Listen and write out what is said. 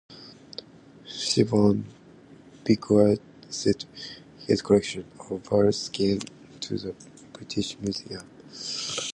Seebohm bequeathed his collection of bird-skins to the British Museum.